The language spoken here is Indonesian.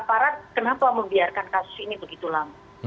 aparat kenapa membiarkan kasus ini begitu lama